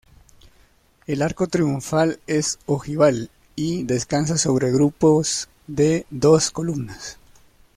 El arco triunfal es ojival y descansa sobre grupos de dos columnas.